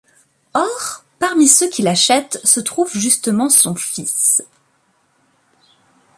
Or, parmi ceux qu'il achète se trouve justement son fils.